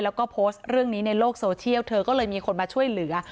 แล้วก็โพสต์เรื่องนี้ในโลกโซเชียลเธอก็เลยมีคนมาช่วยเหลือ